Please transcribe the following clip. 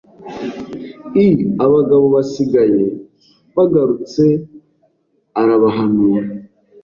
I abagabo basigaye bagarutse arabahanura